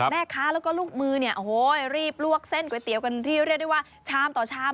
แม่ค้าแล้วก็ลูกมือเนี่ยโอ้โหรีบลวกเส้นก๋วยเตี๋ยวกันที่เรียกได้ว่าชามต่อชาม